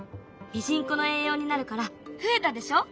ミジンコの栄養になるから増えたでしょ。